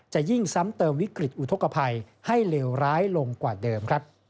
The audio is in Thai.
จะยิ่งซ้ำเติมวิกฤตอุทธกภัยให้เลวร้ายลงกว่าเดิมครับ